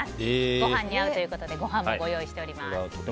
ご飯に合うということでご飯も用意しています。